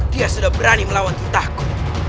dia sudah berani melawan entahku